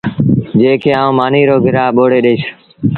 جݩهݩ کي آئوٚنٚ مآݩيٚ رو گرآ ٻوڙي ڏئيٚس